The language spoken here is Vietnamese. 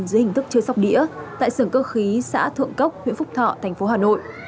dưới hình thức chơi sóc đĩa tại sưởng cơ khí xã thượng cốc huyện phúc thọ thành phố hà nội